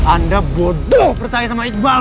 anda bodoh percaya sama iqbal